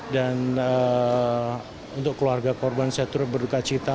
dan untuk keluarga korban saya turut berduka cita